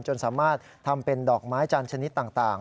จนสามารถทำเป็นดอกไม้จันทร์ชนิดต่าง